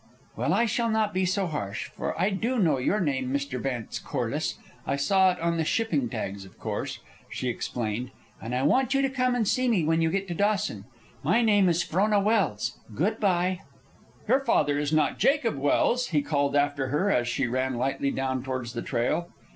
"Well, I shall not be so harsh, for I do know your name, MISTER VANCE CORLISS! I saw it on the shipping tags, of course," she explained. "And I want you to come and see me when you get to Dawson. My name is Frona Welse. Good by." "Your father is not Jacob Welse?" he called after her as she ran lightly down towards the trail.